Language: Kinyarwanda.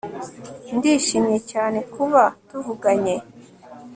ndishimye cyane kuba tuvuganye